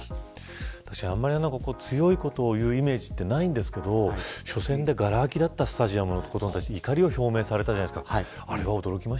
あんまり強いことを言うイメージってないんですけど初戦でがら空きだったスタジアムのことで怒りを表明されたじゃないですか。